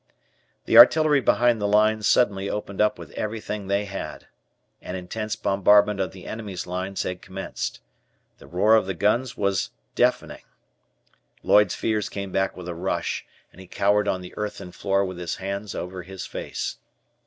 The artillery behind the lines suddenly opened up with everything they had. An intense bombardment of the enemy's lines had commenced. The roar of the guns was deafening. Lloyd's fears came back with a rush, and he cowered on the earthen floor with his hands over his face.